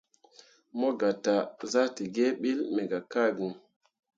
Mo gah taa zahdǝǝge ɓiile me gah ka gŋ.